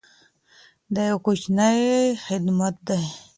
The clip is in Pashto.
دا یو کوچنی خدمت دی.